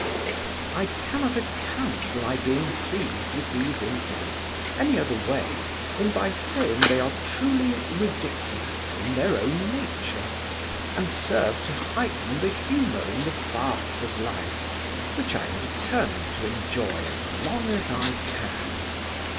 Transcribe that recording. I cannot account for my being pleased with these incidents, any other way, than by saying they are truly ridiculous in their own nature, and serve to heighten the humour in the farce of life, which I am determined to enjoy as long as I can.